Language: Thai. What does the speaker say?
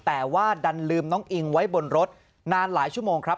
แต่ว่าดันลืมน้องอิงไว้บนรถนานหลายชั่วโมงครับ